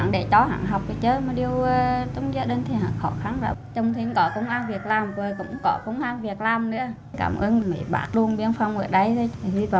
để thả nghèo khổ